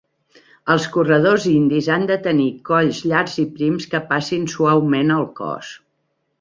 Els corredors indis han de tenir colls llargs i prims que passin suaument al cos.